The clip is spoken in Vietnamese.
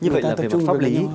vậy là về mặt pháp lý